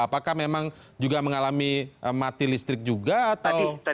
apakah memang juga mengalami mati listrik juga atau